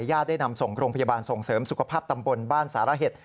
ได้นำส่งโรงพยาบาลส่งเสริมสุขภาพตำบลบ้านสารเห็ด